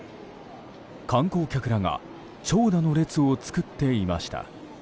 観光客らが長蛇の列を作っていました。